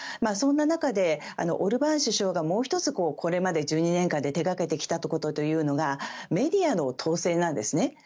そんな中でオルバーン首相がもう１つこれまで１２年間で手掛けてきたことはメディアの統制なんですね。